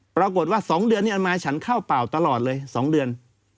ปรากฏว่า๒เดือนนี้อันมาฉันเข้าเปล่าตลอดเลย๒เดือน